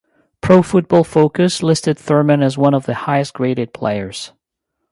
Pro Football Focus listed Thurman as one of the highest graded players.